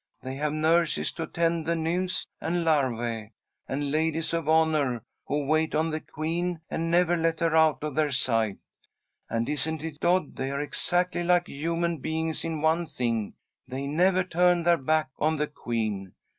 They have nurses to tend the nymphs and larvæ, and ladies of honour, who wait on the queen, and never let her out of their sight. And isn't it odd, they are exactly like human beings in one thing, they never turn their back on the queen.